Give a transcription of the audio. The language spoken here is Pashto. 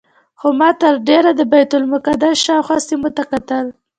خو ما تر ډېره د بیت المقدس شاوخوا سیمو ته کتل.